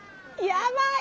やばい。